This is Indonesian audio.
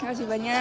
pak makasih banyak